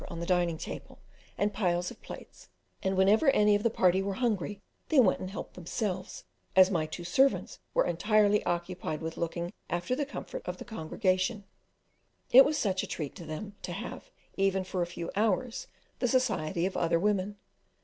on the dining room table, and piles of plates, and whenever any of the party were hungry they went and helped themselves, as my two servants were entirely occupied with looking after the comfort of the congregation; it was such a treat to them to have, even for a few hours, the society of other women.